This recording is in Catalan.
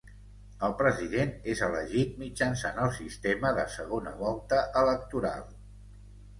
El president és elegit mitjançant el sistema de segona volta electoral.